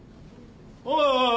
おいおい